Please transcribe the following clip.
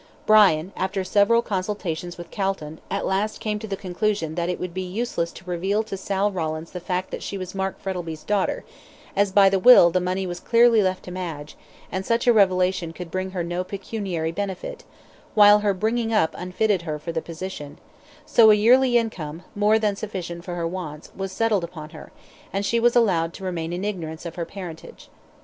Brian, after several consultations with Calton, at last came to the conclusion that it would be useless to reveal to Sal Rawlins the fact that she was Mark Frettlby's daughter, as by the will the money was clearly left to Madge, and such a revelation could bring her no pecuniary benefit, while her bringing up unfitted her for the position; so a yearly income, more than sufficient for her wants, was settled upon her, and she was allowed to remain in ignorance of her parentage.